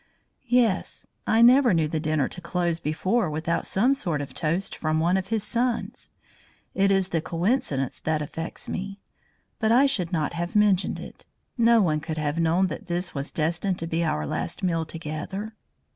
"Yes. I never knew the dinner to close before without some sort of toast from one of his sons. It is the coincidence that affects me. But I should not have mentioned it. No one could have known that this was destined to be our last meal together."